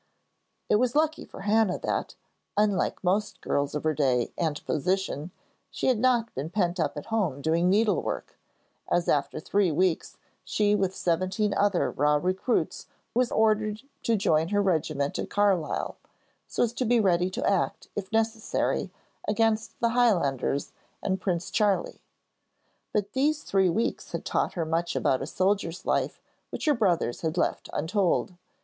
It was lucky for Hannah that, unlike most girls of her day and position, she had not been pent up at home doing needlework, as after three weeks, she with seventeen other raw recruits was ordered to join her regiment at Carlisle, so as to be ready to act, if necessary, against the Highlanders and Prince Charlie. But these three weeks had taught her much about a soldier's life which her brothers had left untold.